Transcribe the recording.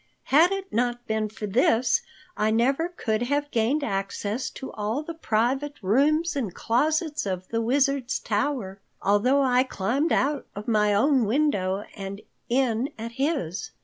"Had it not been for this, I never could have gained access to all the private rooms and closets of the Wizard's tower, although I climbed out of my own window and in at his.